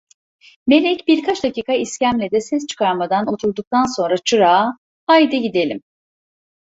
Melek birkaç dakika iskemlede ses çıkarmadan oturduktan sonra çırağa: "Haydi gidelim!".